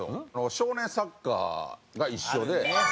少年サッカーが一緒で。